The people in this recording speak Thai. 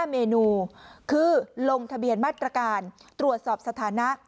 เมนูคือลงทะเบียนมาตรการตรวจสอบสถานะ